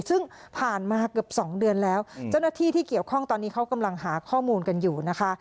ซึ่งผ่านมาเกือบ๒เดือนแล้วเจ้าหน้าที่ที่เกี่ยวข้องตอนนี้เขากำลังหาข้อมูลกันอยู่นะคะ